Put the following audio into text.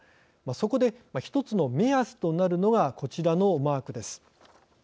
そこで１つの目安となるのがこちらのマークです。